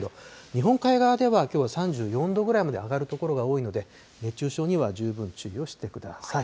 日本海側ではきょうは３４度ぐらいまで上がる所が多いので、熱中症には十分注意をしてください。